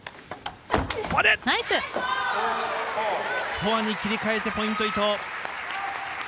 フォアに切り替えてポイント、伊藤。